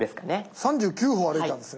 ３９歩歩いたんですね。